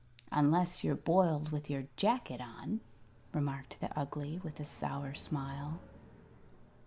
"Unless you're boiled with your jacket on," remarked the Ugly, with a sour smile.